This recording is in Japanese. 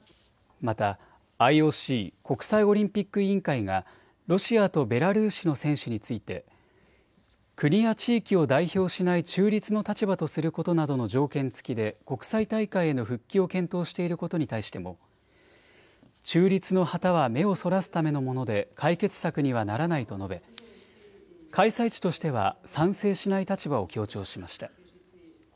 またＩＯＣ・国際オリンピック委員会がロシアとベラルーシの選手について国や地域を代表しない中立の立場とすることなどの条件付きで国際大会への復帰を検討していることに対しても中立の旗は目をそらすためのもので解決策にはならないと述べ開催地としては賛成しない立場を強調しました。